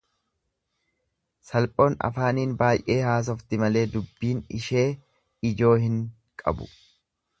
Salphoon afaaniin baay'ee haasofti malee dubbiin ishee ijoo hin qabu.